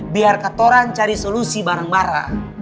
biar ketoran cari solusi bareng bareng